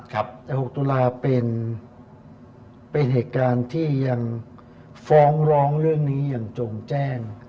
แต่๖ตุลาเป็นเหตุการณ์ที่ยังฟ้องร้องเรื่องนี้อย่างจงแจ้ง